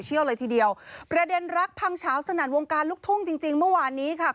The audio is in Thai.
เลยทีเดียวประเด็นรักพังเฉาสนั่นวงการลูกทุ่งจริงจริงเมื่อวานนี้ค่ะ